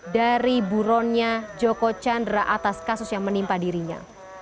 dari buronnya joko chandra atas kasus yang menimpa dirinya